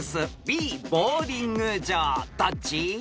［どっち？］